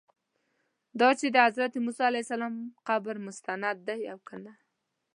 دا چې د حضرت موسی علیه السلام قبر مستند دی او که نه.